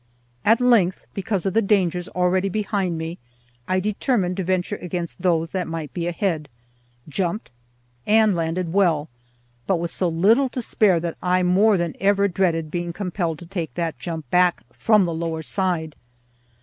At length, because of the dangers already behind me, I determined to venture against those that might be ahead, jumped and landed well, but with so little to spare that I more than ever dreaded being compelled to take that jump back from the lower side.